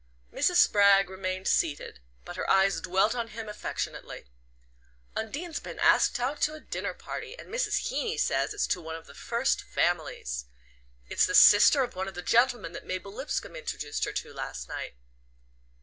Mrs. Spragg remained seated, but her eyes dwelt on him affectionately. "Undine's been asked out to a dinner party; and Mrs. Heeny says it's to one of the first families. It's the sister of one of the gentlemen that Mabel Lipscomb introduced her to last night."